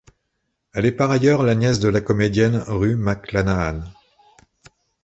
Elle est par ailleurs la nièce de la comédienne Rue McClanahan.